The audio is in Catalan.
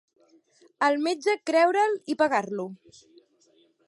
El metge creure'l i pagar-lo.